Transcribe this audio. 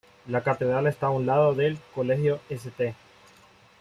La catedral esta a un lado, del Colegio St.